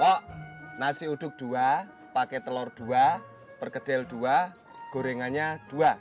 kok nasi uduk dua pakai telur dua perkedel dua gorengannya dua